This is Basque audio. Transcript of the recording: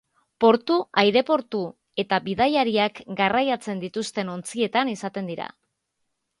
Portu, aireportu eta bidaiariak garraiatzen dituzten ontzietan izaten dira.